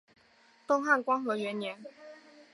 东汉光和元年。